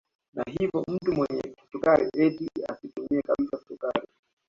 Na hivyo mtu mwenye kisukari eti asitumie kabisa sukari